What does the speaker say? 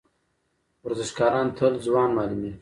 ورزشکاران تل ځوان معلومیږي.